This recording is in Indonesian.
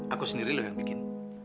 aku sendiri loh yang bikin